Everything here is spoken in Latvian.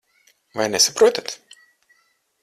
Vai nesaprotat?